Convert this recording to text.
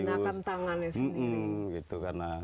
menggunakan tangannya sendiri